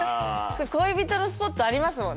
恋人のスポットありますもんね。